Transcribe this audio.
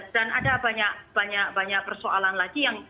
dan ada banyak persoalan lagi